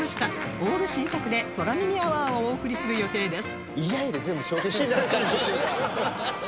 オール新作で空耳アワーをお送りする予定です